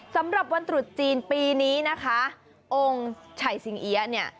สำหรับวันตรุษจีนปีนี้นะคะองค์ชัยสิงเอี๊ยะเนี่ย